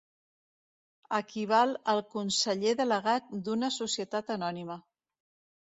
Equival al Conseller Delegat d'una societat anònima.